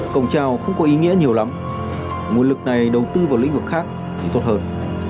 cầu treo cũng có ý nghĩa nhiều lắm nguồn lực này đầu tư vào lĩnh vực khác thì tốt hơn